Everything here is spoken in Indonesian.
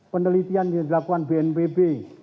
penelitian yang dilakukan bnpb